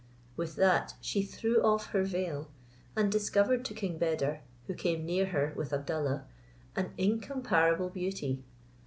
With that she threw off her veil, and discovered to King Beder, who came near her with Abdallah, an incomparable beauty.